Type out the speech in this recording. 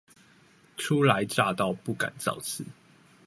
初來乍到不敢造次